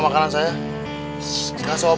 apa jadi sort j gate nang